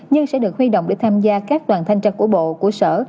nhưng sẽ được huy động để tham gia các đoàn thanh tra của bộ của sở